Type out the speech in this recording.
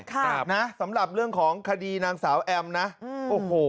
ครับนะสำหรับเรื่องของคดีนางสาวแอมนะอืมโอ้โห